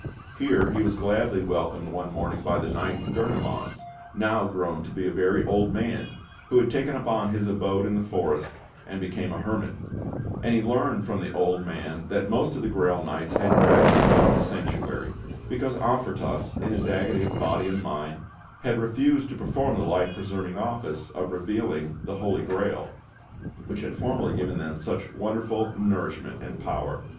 Here he was gladly welcomed one morning by the knight, Gurnemanz, now grown to be a very old man, who had taken up his abode in the forest, and become a hermit; and he learned from the old man that most of the Grail Knights had gradually left the Sanctuary, because Amfortas, in his agony of body and mind, had refused to perform the life preserving office of revealing the Holy Grail, which had formerly given them such wonderful nourishment and power.